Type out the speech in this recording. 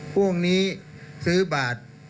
พวกนี้ซื้อบาท